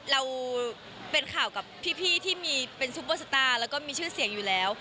เราเป็นข่าวกับพี่ที่มีเป็นซุปเปอร์สตาร์แล้วก็มีชื่อเสียงอยู่แล้ว